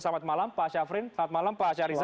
selamat malam pak syafrin selamat malam pak syarizal